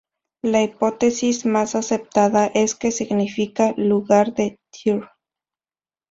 La hipótesis más aceptada es que significa "lugar de Tyr".